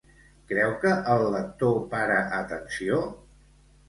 Creu que el lector para atenció?